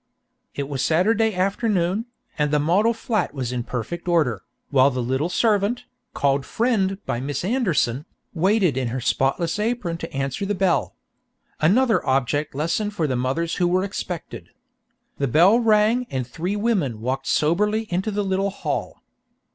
It was Saturday afternoon, and the model flat was in perfect order, while the little servant, called "friend" by Miss Anderson, waited in her spotless apron to answer the bell. Another object lesson for the mothers who were expected. The bell rang and three women walked soberly into the little hall.